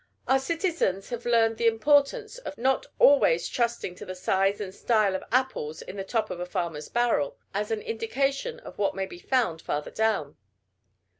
Our citizens have learned the importance of not always trusting to the size and style of apples in the top of a farmer's barrel, as an indication of what may be found farther down.